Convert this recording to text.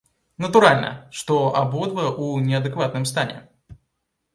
Натуральна, што абодва ў неадэкватным стане.